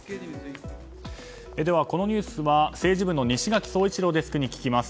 では、このニュースは政治部の西垣壮一郎デスクに聞きます。